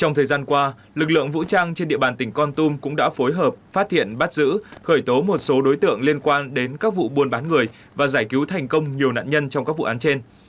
trong thời gian qua lực lượng vũ trang trên địa bàn tỉnh con tum cũng đã phối hợp phát hiện bắt giữ khởi tố một số đối tượng liên quan đến các vụ buôn bán người và giải cứu thành công nhiều nạn nhân trong các vụ án trên